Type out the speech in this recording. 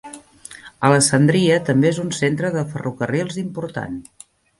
Alessandria també és un centre de ferrocarrils important.